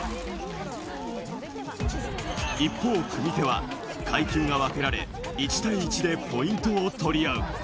一方、組手は階級が分けられ、１対１でポイントを取り合う。